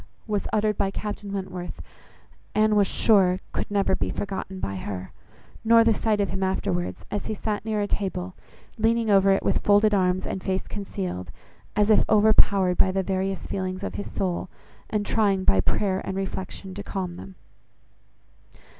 was uttered by Captain Wentworth, Anne was sure could never be forgotten by her; nor the sight of him afterwards, as he sat near a table, leaning over it with folded arms and face concealed, as if overpowered by the various feelings of his soul, and trying by prayer and reflection to calm them.